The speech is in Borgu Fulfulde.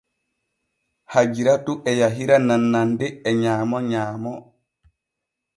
Hajiratu e yahira nannande e nyaamo nyaamo.